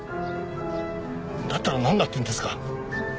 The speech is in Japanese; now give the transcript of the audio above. だったらなんだって言うんですか？